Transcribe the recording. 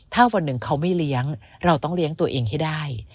ถ้าวันหนึ่งเขาไม่เลี้ยงเราต้องเลี้ยงตัวเองให้ได้